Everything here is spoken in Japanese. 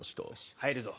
入るぞ。